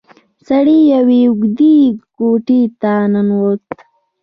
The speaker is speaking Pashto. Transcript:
سړی يوې اوږدې کوټې ته ننوت.